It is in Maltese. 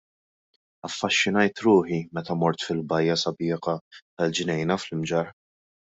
Affaxxinajt ruħi meta mort fil-bajja sabiħa tal-Ġnejna fl-Imġarr.